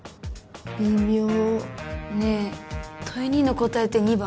微妙ねえ問２の答えって２番？